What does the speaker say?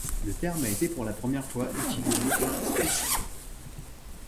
Le terme a été pour la première fois utilisé par Speusippe.